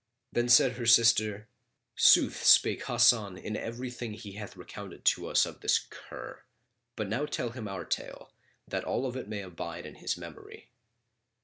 Then said her sister, "Sooth spake Hasan in everything he hath recounted to us of this cur; but now tell him our tale, that all of it may abide in his memory."